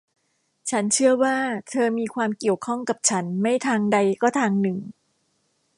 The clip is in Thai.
ฉันเชื่อว่าเธอมีความเกี่ยวข้องกับฉันไม่ทางใดก็ทางหนึ่ง